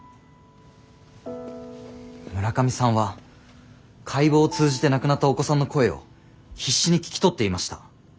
村上さんは解剖を通じて亡くなったお子さんの声を必死に聞き取っていました。